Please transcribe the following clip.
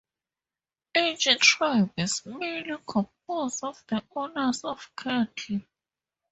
Each tribe is mainly composed of the owners of cattle.